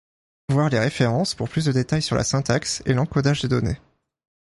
Voir les références pour plus de détail sur la syntaxe et l'encodage des données.